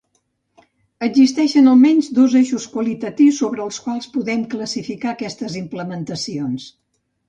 Existeixen almenys dos eixos qualitatius sobre els quals podem classificar aquestes implementacions.